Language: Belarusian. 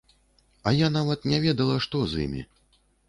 А я нават не ведала, што з імі.